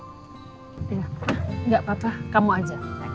enggak papa kamu aja